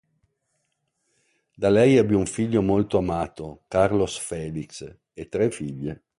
Da lei ebbe un figlio molto amato, Carlos Félix, e tre figlie.